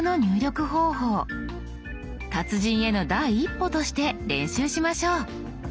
達人への第一歩として練習しましょう。